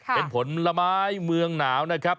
เป็นผลไม้เมืองหนาวนะครับ